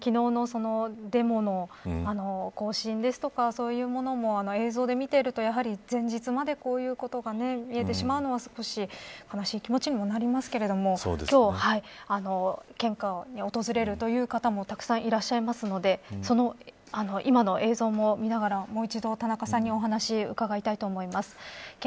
やはり昨日のデモの行進ですとかそういうものも映像で見ていると前日までこういうことが見えてしまうのは少し悲しい気持ちにもなりますけれども今日、献花に訪れるという方もたくさんいらっしゃいますので今の映像も見ながらもう一度、田中さんにお話を伺いたいと思います。